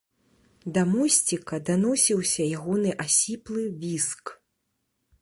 Да мосціка даносіўся ягоны асіплы віск.